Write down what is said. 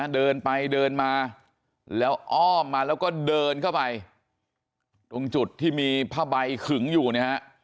เดินไปเดินมาแล้วอ้อมมาแล้วก็เดินเข้าไปตรงจุดที่มีผ้าใบขึงอยู่นะฮะ